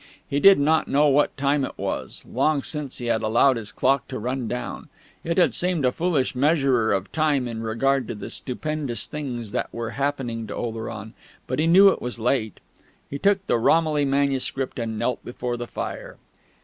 He did not know what time it was; long since he had allowed his clock to run down it had seemed a foolish measurer of time in regard to the stupendous things that were happening to Oleron; but he knew it was late. He took the Romilly manuscript and knelt before the fire.